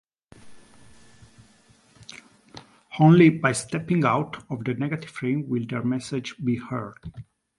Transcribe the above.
Only by stepping out of the negative frame will their message be heard.